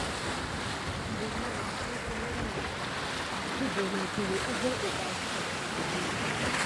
Kulu na tuwunka ɗe bonoki huvon balté bebaye kidiko tiwukini.